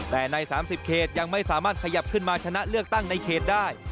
แต่ใน๓๐เขตยังไม่สามารถขยับขึ้นมาชนะเลือกตั้งในเขตได้